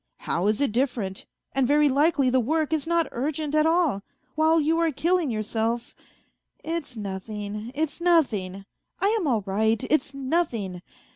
" How is it different ? And very likely the work is not urgent at all, while you are killing yourself. ..."" It's nothing, it's nothing. I am all right, it's nothing.